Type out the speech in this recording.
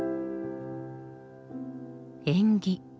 「縁起」